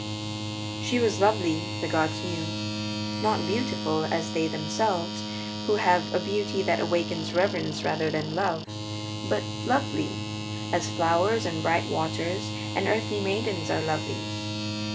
She was lovely, the gods knew; not beautiful as they themselves are, who have a beauty that awakens reverence rather than love, but lovely, as flowers and bright waters and earthly maidens are lovely.